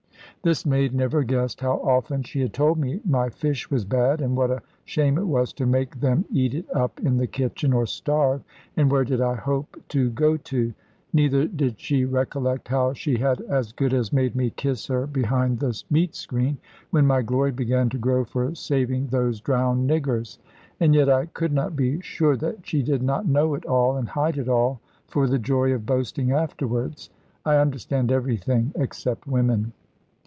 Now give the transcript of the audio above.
This maid never guessed how often she had told me my fish was bad, and what a shame it was to make them eat it up in the kitchen, or starve; and where did I hope to go to? Neither did she recollect how she had as good as made me kiss her behind the meat screen, when my glory began to grow for saving those drowned niggers. And yet I could not be sure that she did not know it all, and hide it all, for the joy of boasting afterwards. I understand everything, except women.